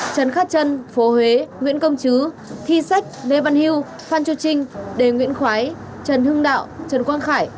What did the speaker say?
trần khát trân phố huế nguyễn công chứ thi sách lê văn hưu phan chu trinh đề nguyễn khoái trần hưng đạo trần quang khải